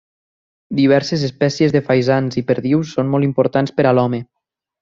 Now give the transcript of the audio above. Diverses espècies de faisans i perdius són molt importants per a l'home.